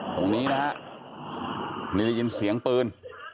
ตรงนี้นะฮะมีรียมเสียงปืน